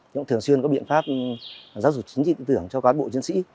cũng thường xuyên có biện pháp giáo dục chính trị tư tưởng cho cán bộ chiến sĩ